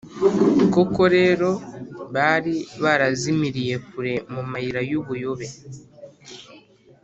Koko rero, bari barazimiriye kure mu mayira y’ubuyobe,